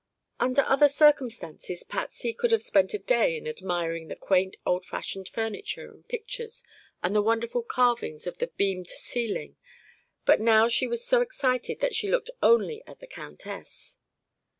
Under other circumstances Patsy could have spent a day in admiring the quaint, old fashioned furniture and pictures and the wonderful carvings of the beamed ceiling, but now she was so excited that she looked only at the countess.